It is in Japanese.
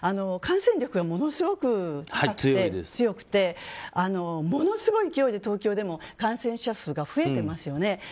感染力がものすごく強くてものすごい勢いで東京でも感染者数が増えていますよね。